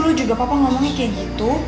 dari dulu juga papa ngomongnya kayak gitu